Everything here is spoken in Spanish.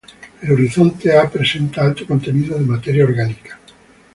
El horizonte A presenta alto contenido de materia orgánica.